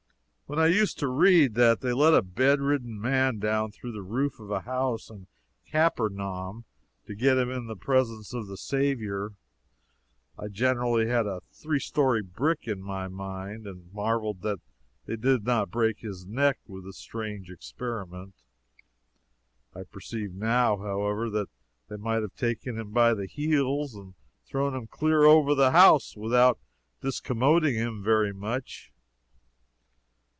When I used to read that they let a bed ridden man down through the roof of a house in Capernaum to get him into the presence of the Saviour, I generally had a three story brick in my mind, and marveled that they did not break his neck with the strange experiment. I perceive now, however, that they might have taken him by the heels and thrown him clear over the house without discommoding him very much.